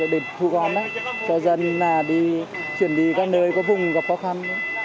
để thu gom cho dân chuyển đi các nơi có vùng gặp khó khăn